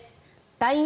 ＬＩＮＥ